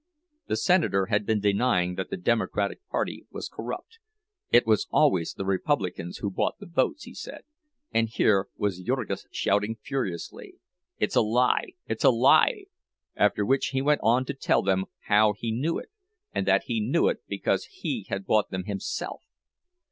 The senator had been denying that the Democratic party was corrupt; it was always the Republicans who bought the votes, he said—and here was Jurgis shouting furiously, "It's a lie! It's a lie!" After which he went on to tell them how he knew it—that he knew it because he had bought them himself!